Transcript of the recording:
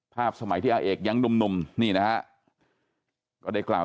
ภาพสมัยที่้าเอกยังหนุ่มหนุ่มนี่นะก็ได้กร่าว